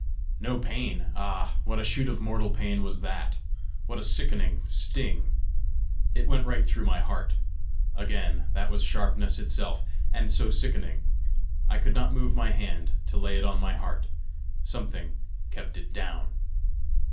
No pain! ah, what a shoot of mortal pain was that! what a sickening sting! It went right through my heart! Again! That was sharpness itself! and so sickening! I could not move my hand to lay it on my heart; something kept it down!